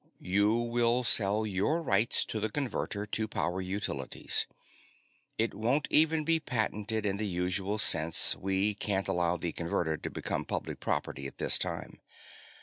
You will sell your rights to the Converter to Power Utilities. It won't even be patented in the usual sense; we can't allow the Converter to become public property at this time.